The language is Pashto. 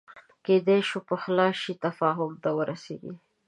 کېدای شوای پخلا شي تفاهم ته ورسېږي